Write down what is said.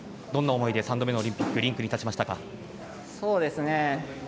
どんな思いで３度目のオリンピックリンクに立ちましたか？